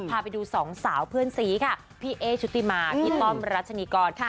พาไปดูสองสาวเพื่อนสีค่ะพี่เอ๊ชุติมาพี่ต้อมรัชนีกรค่ะ